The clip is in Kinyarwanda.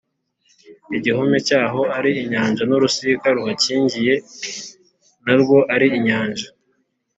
igihome cyaho ari inyanja n’urusika ruhakingiye na rwo ari inyanja?